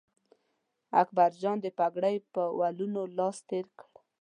اکبرجان د پګړۍ په ولونو لاس تېر کړ.